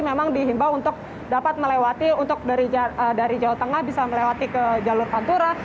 memang dihimbau untuk dapat melewati untuk dari jawa tengah bisa melewati ke jalur pantura